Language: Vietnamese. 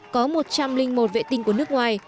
có một trăm linh một vệ tinh của nước ngoài